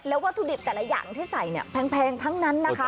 วัตถุดิบแต่ละอย่างที่ใส่เนี่ยแพงทั้งนั้นนะคะ